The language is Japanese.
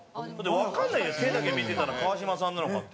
わかんないよ、手だけ見てたら川島さんなのかって。